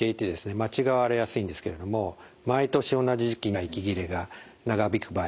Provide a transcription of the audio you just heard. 間違われやすいんですけれども毎年同じ時期に乾いたせきや息切れが長引く場合